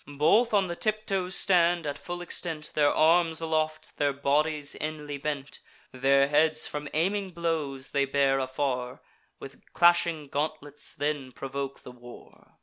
Both on the tiptoe stand, at full extent, Their arms aloft, their bodies inly bent; Their heads from aiming blows they bear afar; With clashing gauntlets then provoke the war.